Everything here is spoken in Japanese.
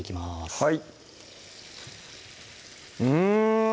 はいうん！